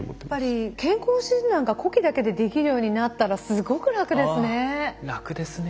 健康診断が呼気だけでできるようになったらすごく楽ですね。